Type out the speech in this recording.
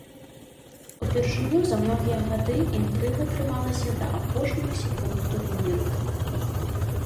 Упершыню за многія гады інтрыга трымалася да апошніх секунд турніру!